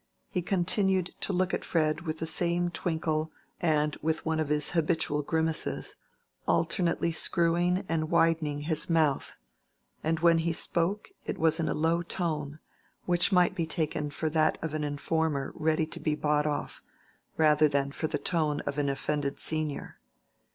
He continued to look at Fred with the same twinkle and with one of his habitual grimaces, alternately screwing and widening his mouth; and when he spoke, it was in a low tone, which might be taken for that of an informer ready to be bought off, rather than for the tone of an offended senior.